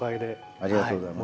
ありがとうございます。